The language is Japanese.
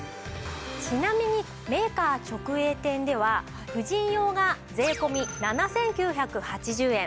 ちなみにメーカー直営店では婦人用が税込７９８０円。